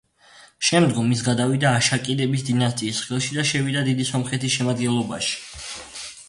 შემდგომ, ის გადავიდა არშაკიდების დინასტიის ხელში და შევიდა დიდი სომხეთის შემადგენლობაში.